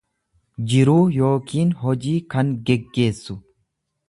jiruu yookiin hojii kan geggeessu.